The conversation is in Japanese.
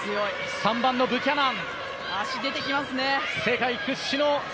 ３番のブキャナン。